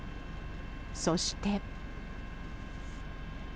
そして。